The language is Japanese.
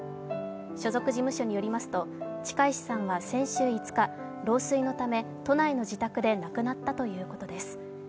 所属事務所によりますと近石さんは先週５日、老衰のため都内の自宅で亡くなったということです。